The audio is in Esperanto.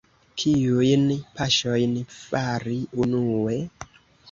Kiujn paŝojn fari unue?